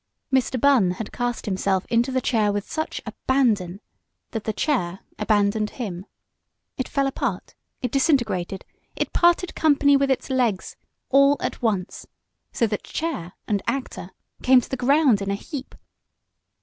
Mr. Bunn had cast himself into the chair with such "abandon" that the chair abandoned him. It fell apart, it disintegrated, it parted company with its legs all at once so that chair and actor came to the ground in a heap.